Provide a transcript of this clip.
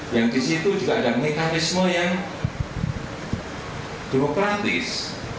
yang di situ juga ada mekanisme yang demokratis